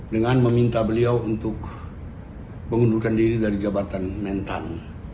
dengan meminta beliau untuk mengundurkan diri dari jabatan mentan